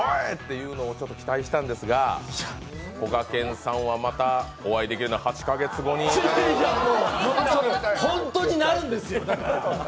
いうのをちょっと期待したんですが、こがけんさんは、またお会いできるのは８か月後にホントになるんですよ！